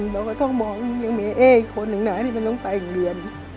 เราก็ต้องมองยังมีคนหนึ่งไหนที่มันต้องไปเรียน